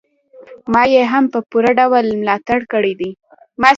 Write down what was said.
ما يې هم په پوره ډول ملاتړ کړی دی.